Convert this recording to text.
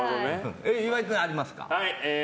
岩井君はありますか？